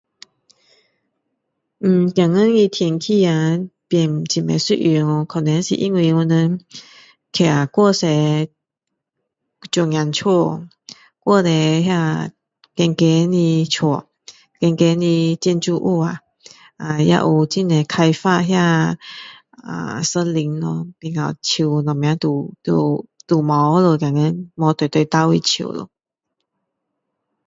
嗯现在的天气啊变较不一样掉可能是因为我们这太多砖块屋哦太多高高的屋高高的建筑物啊也有很多开发那森林咯变到树都没有了没大大棵的树咯